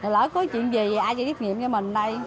lỡ có chuyện gì ai cho tiếp nghiệm cho mình đây